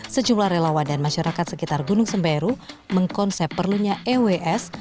sejumlah relawan dan masyarakat sekitar gunung semeru mengkonsep perlunya ews